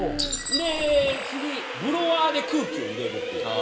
で次ブロワーで空気を入れるっていう。